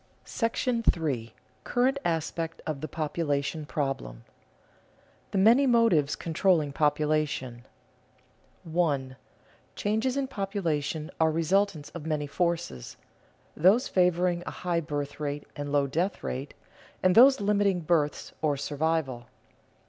§ III. CURRENT ASPECT OF THE POPULATION PROBLEM [Sidenote: The many motives controlling population] 1. _Changes in population are resultants of many forces: those favoring a high birth rate and low death rate, and those limiting births or survival.